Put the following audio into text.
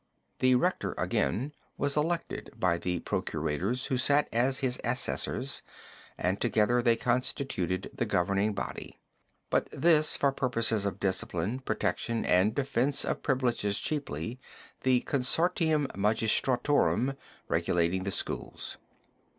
The Rector, again, was elected by the procurators, who sat as his assessors, and together they constituted the governing body; but this for purposes of discipline, protection and defense of privileges chiefly, the consortium magistrorum regulating the schools.